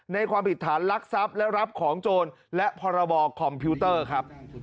ความผิดฐานลักทรัพย์และรับของโจรและพรบคอมพิวเตอร์ครับ